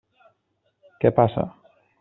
Què passa?